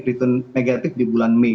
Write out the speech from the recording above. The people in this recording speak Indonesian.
return negatif di bulan mei